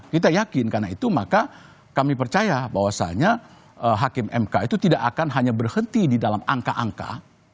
kita yakin karena itu maka kami percaya bahwasannya hakim mk itu tidak akan hanya berhenti di dalam angka angka